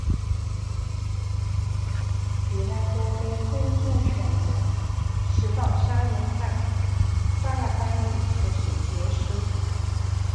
比拉多给公众选择释放杀人犯巴辣巴抑或是耶稣。